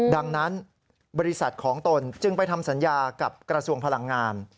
ดังนั้นบริษัทของตนจึงไปทำสัญญากับกระทรวงพลังงาน